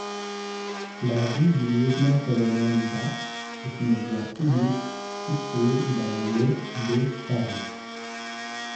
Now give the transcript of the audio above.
La rue du Lieutenant-Colonel-Dax est une voie publique située dans le de Paris.